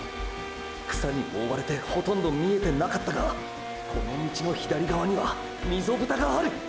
草におおわれてほとんど見えてなかったがこの道の左側には溝蓋がある！！